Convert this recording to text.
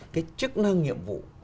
cái chức năng nhiệm vụ